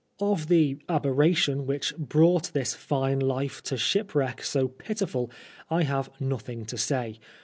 Of the aberration which brought this fine life to shipwreck so pitiful, I have nothing to say.